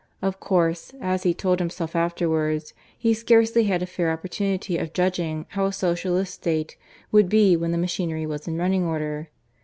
Of course, as he told himself afterwards, he scarcely had a fair opportunity of judging how a Socialist State would be when the machinery was in running order.